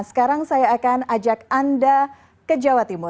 sekarang saya akan ajak anda ke jawa timur